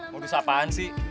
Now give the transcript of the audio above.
modus apaan sih